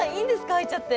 入っちゃって。